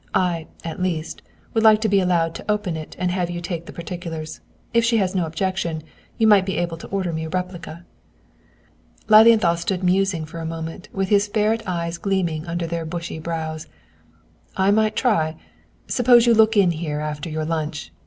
I, at least, would like to be allowed to open it and have you take the particulars. If she has no objection, you might be able to order me a replica." Lilienthal stood musing for a moment with his ferret eyes gleaming under their bushy brows. "I might try! Suppose you look in here after your lunch.